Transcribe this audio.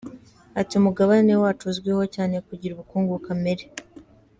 Ati “Umugabane wacu uzwiho cyane kugira ubukungu kamere.